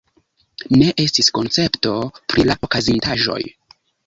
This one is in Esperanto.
Ne estis koncepto pri la okazintaĵoj.